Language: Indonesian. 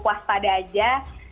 puas pada aja